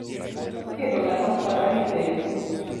bang' wach no, iketo ga nukta mar yueyo